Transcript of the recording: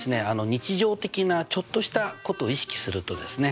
日常的なちょっとしたことを意識するとですね